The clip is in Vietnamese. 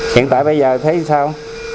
hiện tại bây giờ thấy sao